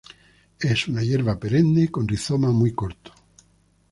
Es un hierba perenne con rizoma muy corto.